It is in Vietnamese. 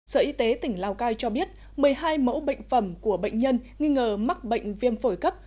sở y tế tỉnh lào cai cho biết một mươi hai mẫu bệnh phẩm của bệnh nhân nghi ngờ mắc bệnh viêm phổi cấp